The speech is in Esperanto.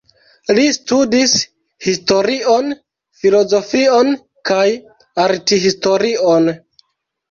Li studis historion, filozofion kaj arthistorion.